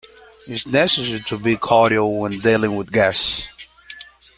It is necessary to be cordial when dealing with guests.